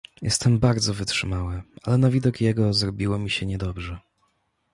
"Jestem bardzo wytrzymały, ale na widok jego zrobiło mi się niedobrze."